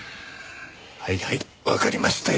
はいはいわかりましたよ。